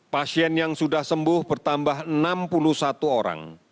pasien yang sudah sembuh bertambah enam puluh satu orang